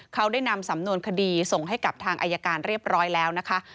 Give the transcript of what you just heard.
เขาได้นำสำนวนคดีส่งให้กับทางอายการเรียบร้อยแล้วนะคะ